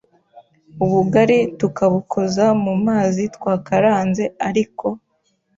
ubugari tukabukoza mu mazi twakaranze ariko